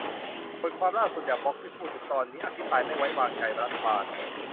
บทความล่าสุด จากบล็อกที่พูดถึงตอนนี้ อภิปรายไม่ไว้วางใจรัฐบาล